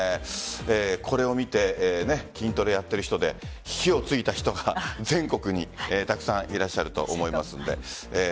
これを見て筋トレをやっている人で火をついた人が全国にたくさんいらっしゃると思いますので。